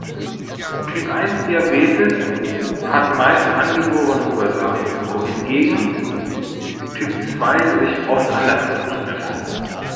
Typ-eins-Diabetes hat meist angeborene Ursachen, wohingegen Typ zwei sich oft anders begründet.